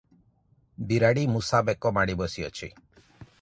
ବିରାଡ଼ି ମୂଷା ବେକ ମାଡ଼ି ବସିଅଛି ।